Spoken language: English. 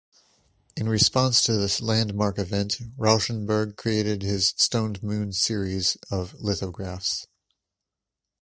In response to this landmark event, Rauschenberg created his "Stoned Moon Series" of lithographs.